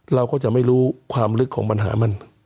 เราก็จะไม่รู้ความลึกของปัญหามัน